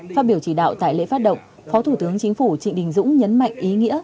phát biểu chỉ đạo tại lễ phát động phó thủ tướng chính phủ trịnh đình dũng nhấn mạnh ý nghĩa